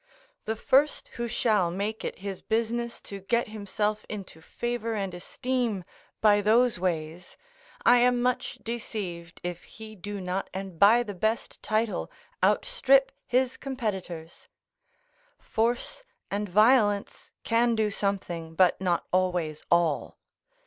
The first who shall make it his business to get himself into favour and esteem by those ways, I am much deceived if he do not and by the best title outstrip his competitors: force and violence can do something, but not always all.